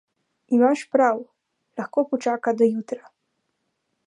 Imaš prav, lahko počaka do jutra.